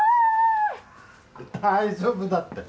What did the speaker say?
大丈夫だって。